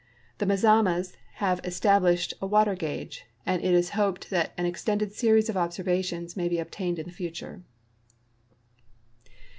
The Mazamas have established a water gauge, and it is hoped that an extended series of observations may be obtained in the future.